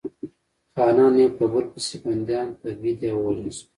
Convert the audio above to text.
خانان یو په بل پسې بندیان، تبعید یا ووژل شول.